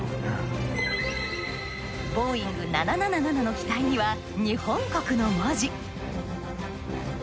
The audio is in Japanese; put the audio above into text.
ボーイング７７７の機体には日本国の文字。